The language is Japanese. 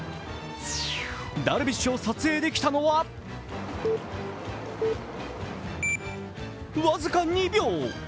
ダルビッシュを撮影できたのは僅か２秒。